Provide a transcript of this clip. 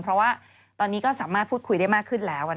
เพราะว่าตอนนี้ก็สามารถพูดคุยได้มากขึ้นแล้ว